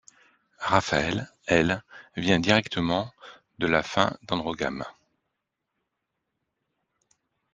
Raphaëlle, elle, vient directement de la fin d’AndroGame.